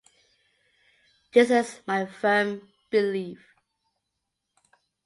This is my firm belief.